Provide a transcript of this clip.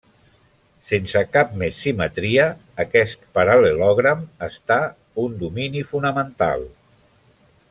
Sense cap més simetria, aquest paral·lelogram està un domini fonamental.